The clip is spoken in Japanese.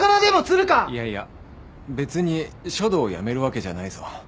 いやいや別に書道をやめるわけじゃないぞ。